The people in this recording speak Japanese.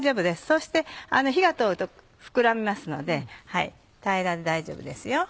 そして火が通ると膨らみますので平らで大丈夫ですよ。